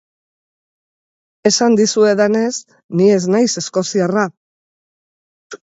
Esan dizuedanez, ni ez naiz eskoziarra.